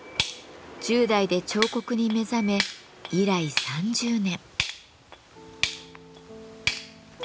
１０代で彫刻に目覚め以来３０年。